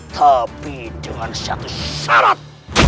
tapi dengan satu syarat